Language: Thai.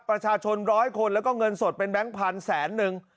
ร้อยคนแล้วก็เงินสดเป็นแบงค์พันแสนนึง